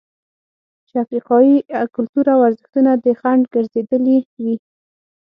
چې افریقايي کلتور او ارزښتونه دې خنډ ګرځېدلي وي.